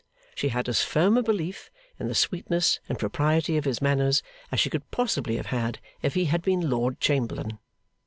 She had as firm a belief in the sweetness and propriety of his manners as she could possibly have had if he had been Lord Chamberlain.